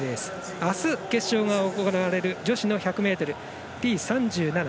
あす、決勝が行われる女子の１００ｍＴ３７